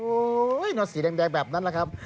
โอ๊ยหน้าสีแดงแบบนั้นนะครับ